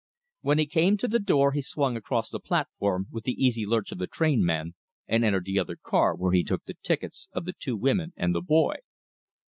When he came to the door he swung across the platform with the easy lurch of the trainman, and entered the other car, where he took the tickets of the two women and the boy.